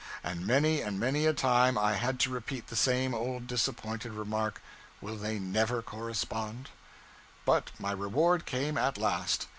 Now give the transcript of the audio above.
And many and many a time I had to repeat the same old disappointed remark, 'will they _never _correspond!' But my reward came at last.